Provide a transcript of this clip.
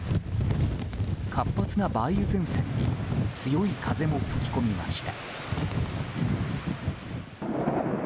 活発な梅雨前線に強い風も吹き込みました。